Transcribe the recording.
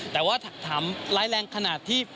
แต่ว่าถามร้ายแรงขนาดที่